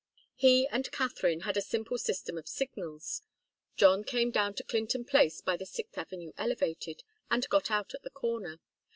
He and Katharine had a simple system of signals. John came down to Clinton Place by the Sixth Avenue elevated, and got out at the corner.